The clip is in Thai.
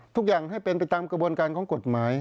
ทุกอย่างให้เป็นไปตามกระบวนการของกฎหมาย